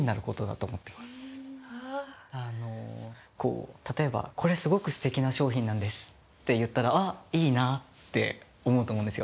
あのこう例えば「これすごくすてきな商品なんです」って言ったら「あいいな」って思うと思うんですよ。